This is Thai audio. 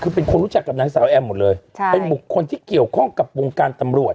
คือเป็นคนรู้จักกับนางสาวแอมหมดเลยใช่เป็นบุคคลที่เกี่ยวข้องกับวงการตำรวจ